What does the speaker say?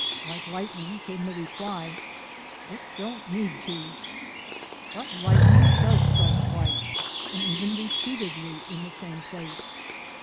Like lightning came the reply, "It don't need to." But lightning does strike twice and even re peatedly in the same place.